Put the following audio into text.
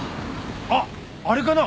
あっあれかな？